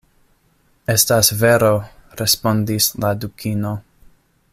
"Estas vero," respondis la Dukino.